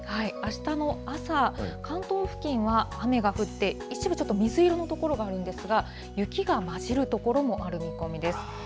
あしたの朝、関東付近は雨が降って、一部、ちょっと水色の所があるんですが、雪が交じる所もある見込みです。